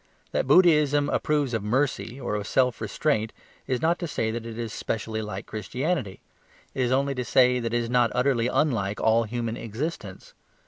That Buddhism approves of mercy or of self restraint is not to say that it is specially like Christianity; it is only to say that it is not utterly unlike all human existence.